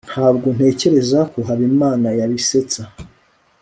ntabwo ntekereza ko habimana yabisetsa